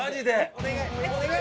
お願い！